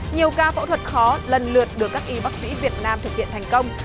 nhiều ca phẫu thuật khó lần lượt được các y bác sĩ việt nam thực hiện thành công